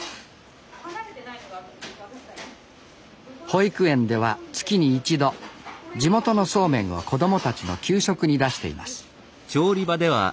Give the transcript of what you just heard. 保育園では月に１度地元のそうめんを子供たちの給食に出しています。